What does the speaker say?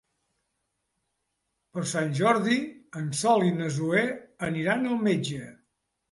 Per Sant Jordi en Sol i na Zoè aniran al metge.